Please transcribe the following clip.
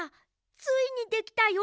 ついにできたよ